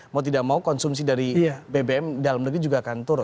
mau tidak mau konsumsi dari bbm dalam negeri juga akan turun